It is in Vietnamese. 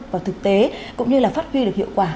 vào thực tế cũng như là phát huy được hiệu quả